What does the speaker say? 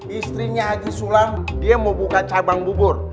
istrinya haji sulam dia mau buka cabang bubur